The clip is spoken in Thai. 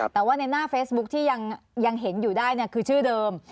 แต่ว่าในหน้าเฟซบุ๊คที่ยังเห็นอยู่ได้คือชื่อเดิม